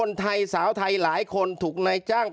เจ้าหน้าที่แรงงานของไต้หวันบอก